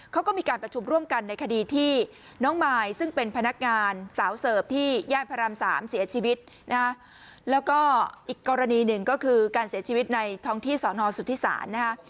แล้วก็อีกกรณีนึงก็คือการเสียชีวิตในท่องที่สนสุทิศานะฮะ